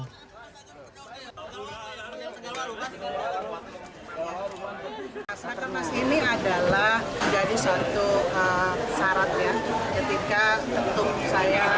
masyarakat nas ini adalah jadi suatu syaratnya ketika ketum saya